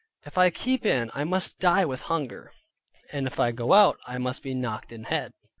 If I keep in, I must die with hunger, and if I go out, I must be knocked in head.